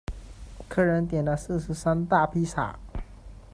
客人点了四十三大披萨